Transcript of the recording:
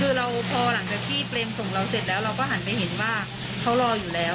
คือเราพอหลังจากที่เปรมส่งเราเสร็จแล้วเราก็หันไปเห็นว่าเขารออยู่แล้ว